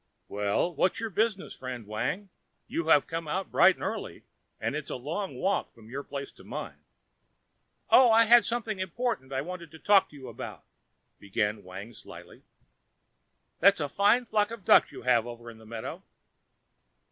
"Well, what's your business, friend Wang? You have come out bright and early, and it's a long walk from your place to mine." "Oh, I had something important I wanted to talk to you about," began Wang slyly. "That's a fine flock of ducks you have over in the meadow."